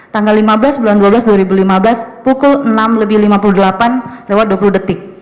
tanggal lima belas bulan dua belas dua ribu lima belas pukul enam lebih lima puluh delapan lewat dua puluh detik